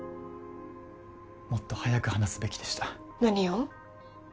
もっと早く話すべきでした何を？